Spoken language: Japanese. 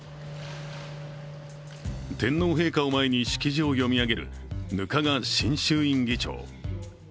天皇陛下を前に式辞を読み上げる額賀新衆院議長。